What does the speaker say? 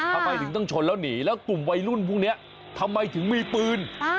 ทำไมถึงต้องชนแล้วหนีแล้วกลุ่มวัยรุ่นพวกนี้ทำไมถึงมีปืน